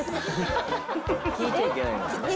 聞いちゃいけないんだよね？